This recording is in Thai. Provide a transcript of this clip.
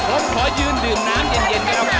หมดคอขอยืนดื่มน้ำหยี่นด้วยเราค่ะ